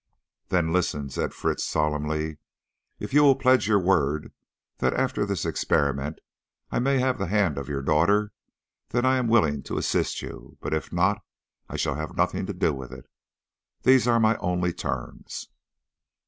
"Then listen," said Fritz solemnly. "If you will pledge your word that after this experiment I may have the hand of your daughter, then I am willing to assist you; but if not, I shall have nothing to do with it. These are my only terms."